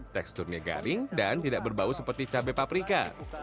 teksturnya garing dan tidak berbau seperti cabai paprika